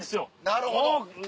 なるほど。